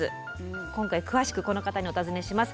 今回詳しくこの方にお尋ねします。